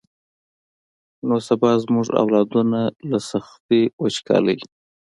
نو سبا به زمونږ اولادونه له سختې وچکالۍ.